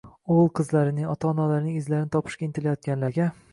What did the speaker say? o‘g‘il-qizlarining, ota-onalarining izlarini topishga intilayotganlarga